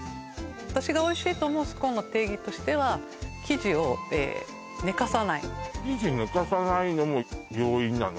私がおいしいと思うスコーンの定義としては生地を寝かさない生地寝かさないのも要因なの？